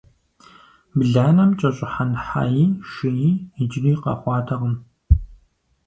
Бланэм кӀэщӀыхьэн хьэи шыи иджыри къэхъуатэкъым.